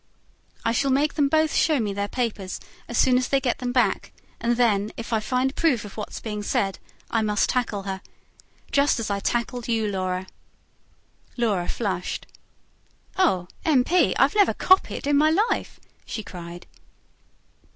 "I shall make them both show me their papers as soon as they get them back; and then, if I find proof of what's being said, I must tackle her. Just as I tackled you, Laura." Laura flushed. "Oh, M. P., I've never 'copied' in my life!" she cried.